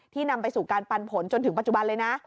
นำไปสู่การปันผลจนถึงปัจจุบันเลยนะ